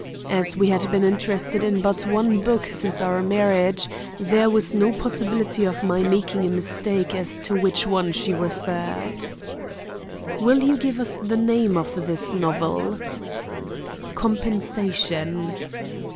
As we had been interested in but one book since our marriage, there was no possibility of my making any mistake as to which one she referred." "Will you give us the name of this novel?" "COMPENSATION."